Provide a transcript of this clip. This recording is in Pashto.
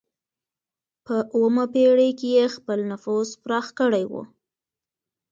په اوومه پېړۍ کې یې خپل نفوذ پراخ کړی و.